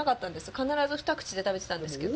必ず二口で食べてたんですけど。